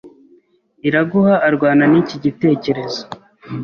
Iraguha arwana niki gitekerezo.